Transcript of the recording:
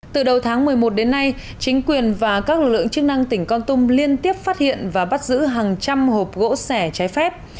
từ đầu tháng một mươi một đến nay chính quyền và các lực lượng chức năng tỉnh con tum liên tiếp phát hiện và bắt giữ hàng trăm hộp gỗ sẻ trái phép